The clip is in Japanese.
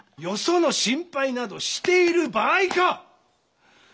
よその心配などしている場合か！